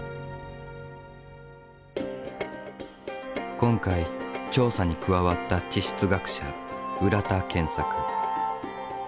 今回調査に加わった地質学者浦田健作。